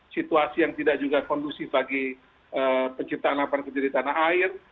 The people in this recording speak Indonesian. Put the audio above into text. situasi yang tidak juga kondusif bagi penciptaan lapangan kerja di tanah air